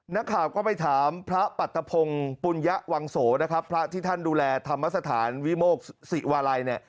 นักข่าวก็ไปถามพระปัตตะพงศ์ปุญยะวังโสนะครับพระที่ท่านดูแลธรรมสถานวิโมกศิวาลัยเนี่ย